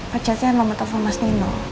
percaya sama menelepon mas nino